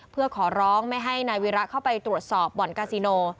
เพื่อขอร้องไม่ให้นายวีระเข้าไปตรวจสอบบ่อนกาซิโน